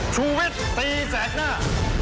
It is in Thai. ชูเวทตีแสดหน้า